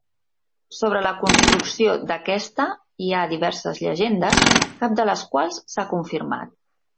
Sobre la construcció d'aquesta hi ha diverses llegendes, cap de les quals s'ha confirmat.